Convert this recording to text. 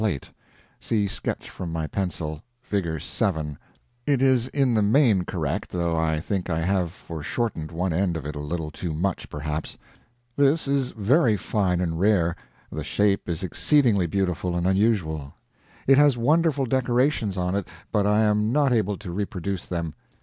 plate. See sketch from my pencil; it is in the main correct, though I think I have foreshortened one end of it a little too much, perhaps. This is very fine and rare; the shape is exceedingly beautiful and unusual. It has wonderful decorations on it, but I am not able to reproduce them.